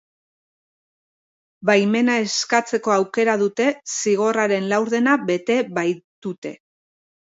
Baimena eskatzeko aukera dute zigorraren laurdena bete baitute.